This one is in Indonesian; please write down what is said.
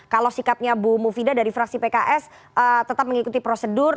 kalau sikapnya bu mufidah dari fraksi pks tetap mengikuti prosedur